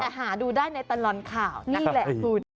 แต่หาดูได้ในตลอดข่าวนั่นแหละคุณ